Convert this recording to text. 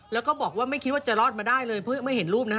แล้วก็บอกว่าไม่คิดว่าจะรอดมาได้เลยเพราะไม่เห็นรูปนะฮะ